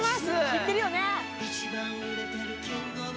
知ってるよね